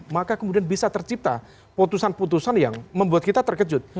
maka kemudian bisa tercipta putusan putusan yang membuat kita terkejut